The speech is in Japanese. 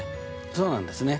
そうなんですね。